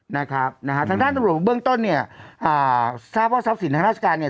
นะฮะนะฮะทางด้านตำรวจเบื้องต้นเนี่ยอ่าทราบว่าทรัพย์สินทางราชการเนี่ย